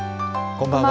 こんばんは。